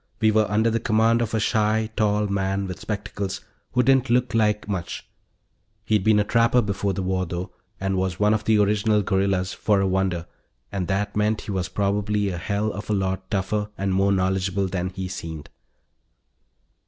We were under the command of a shy, tall man with spectacles who didn't look like much, he'd been a trapper before the war, though, and was one of the original guerrillas, for a wonder, and that meant he was probably a hell of a lot tougher and more knowledgeable than he seemed.